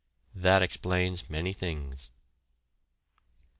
That explains many things.